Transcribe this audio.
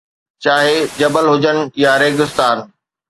چاهي جبل هجن يا ريگستان